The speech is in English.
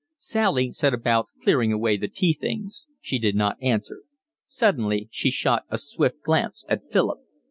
Sally set about clearing away the tea things. She did not answer. Suddenly she shot a swift glance at Philip.